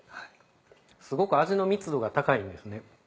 すごく味の密度が高いんですね。